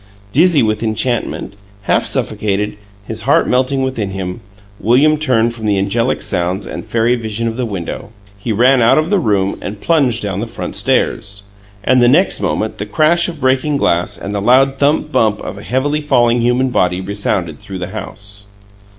Dizzy with enchantment, half suffocated, his heart melting within him, William turned from the angelic sounds and fairy vision of the window. He ran out of the room, and plunged down the front stairs. And the next moment the crash of breaking glass and the loud thump bump of a heavily falling human body resounded through the house.